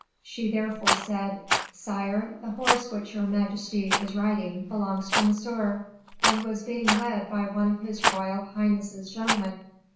She therefore said: "Sire, the horse which your majesty is riding belongs to Monsieur, and was being led by one of his royal highness's gentlemen."